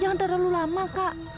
jangan terlalu lama kak